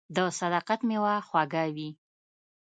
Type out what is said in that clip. • د صداقت میوه خوږه وي.